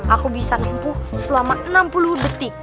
aku bisa nempuh selama enam puluh detik